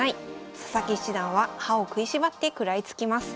佐々木七段は歯を食いしばって食らいつきます。